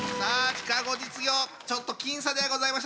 シカゴ実業ちょっと僅差ではございました。